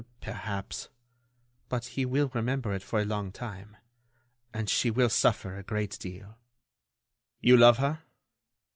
"Perhaps ... but he will remember it for a long time ... and she will suffer a great deal." "You love her?"